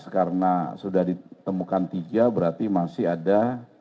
karena sudah ditemukan tiga berarti masih ada